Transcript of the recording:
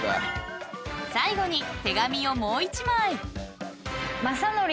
［最後に手紙をもう１枚］